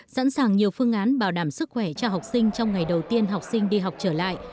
sẵn sàng nhiều phương án bảo đảm sức khỏe cho học sinh trong ngày đầu tiên học sinh đi học trở lại